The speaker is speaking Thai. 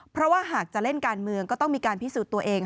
เพราะว่าหากจะเล่นการเมืองก็ต้องมีการพิสูจน์ตัวเอง